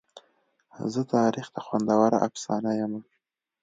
زه تاریخ ته خوندوره افسانه یمه.